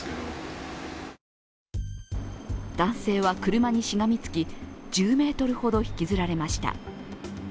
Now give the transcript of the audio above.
男性は車にしがみつき１０ｍほど引きずられました。